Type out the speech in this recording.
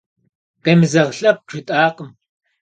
Къемызэгъ лъэпкъ жытӏакъым.